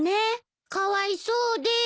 かわいそうです。